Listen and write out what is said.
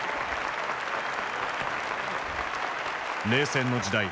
冷戦の時代